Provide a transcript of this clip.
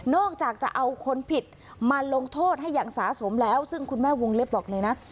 จากจะเอาคนผิดมาลงโทษให้อย่างสะสมแล้วซึ่งคุณแม่วงเล็บบอกเลยนะ